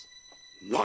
何⁉